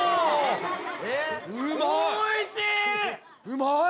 うまい！